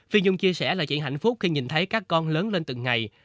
phi nhung chia sẻ là chuyện hạnh phúc khi nhìn thấy các con lớn lên từng ngày